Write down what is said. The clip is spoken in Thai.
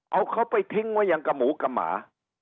เอาเขาไปทิ้งไว้อย่างกับหมูกับหมา